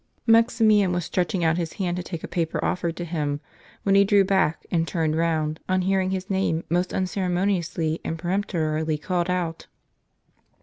Max imian was stretching out his hand to take a paper offered to him, when he drew back, and turned round, on hearing his name most unceremoniously and peremptorily called out.